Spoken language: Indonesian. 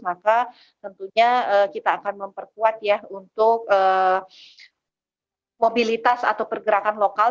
maka tentunya kita akan memperkuat ya untuk mobilitas atau pergerakan lokal